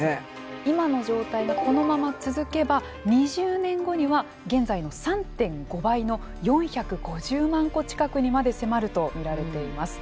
今の状態がこのまま続けば２０年後には現在の３．５倍の４５０万戸近くにまで迫ると見られています。